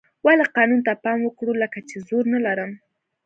ولې قانون ته پام وکړو لکه چې زور نه لرم.